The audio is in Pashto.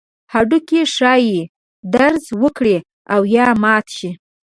هډوکي ښایي درز وکړي او یا مات شي.